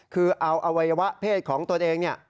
คือเอาอวัยวะเพศของตนเอง